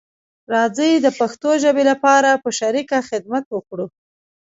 راځی د پښتو ژبې لپاره په شریکه خدمت وکړو